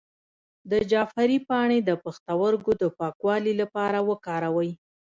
د جعفری پاڼې د پښتورګو د پاکوالي لپاره وکاروئ